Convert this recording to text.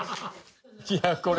いやこれ。